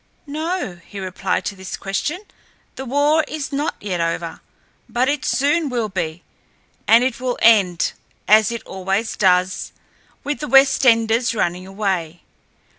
"No," he replied to this question. "The war is not yet over. But it soon will be, and it will end, as it always does, with the Westenders running away.